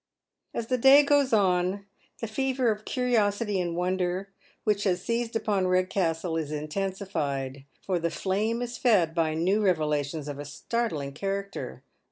As the day goes on the fever of curiosity and wonder which has seized upon Eedcastle is intensified, for the flame is fed by new revelations of a startling character.